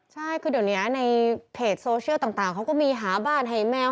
ใช่คือเดี๋ยวนี้ในเพจโซเชียลต่างเขาก็มีหาบ้านให้แมว